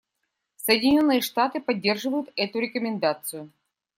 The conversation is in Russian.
Соединенные Штаты поддерживают эту рекомендацию.